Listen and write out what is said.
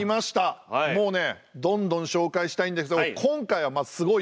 もうねどんどん紹介したいんですけど今回はすごいよ。